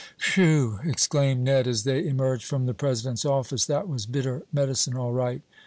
"Whew!" exclaimed Ned as they emerged from the president's office, "that was bitter medicine all right."